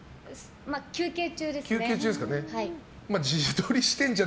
休憩中ですね。